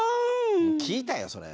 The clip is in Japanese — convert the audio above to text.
聴いたよそれ。